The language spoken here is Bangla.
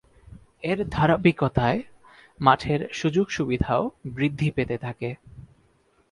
এর ধারাবাহিকতায় মাঠের সুযোগ-সুবিধাও বৃদ্ধি পেতে থাকে।